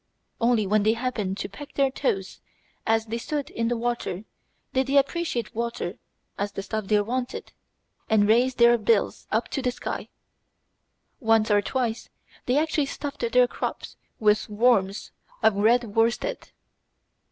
Only when they happened to peck their toes as they stood in the water did they appreciate water as the stuff they wanted, and raise their bills up to the sky. Once or twice they actually stuffed their crops with "worms" of red worsted!